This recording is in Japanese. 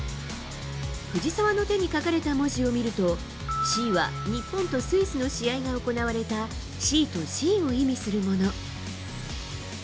藤澤の手に書かれた文字を見るとＣは、日本とスイスの試合が行われたシートＣを意味するもの。